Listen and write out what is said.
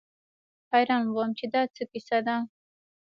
حيران وم چې دا څه کيسه ده.